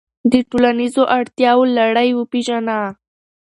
د ټولنیزو اړتیاوو لړۍ وپیژنه.